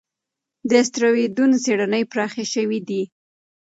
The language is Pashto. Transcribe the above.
د اسټروېډونو څېړنې پراخې شوې دي.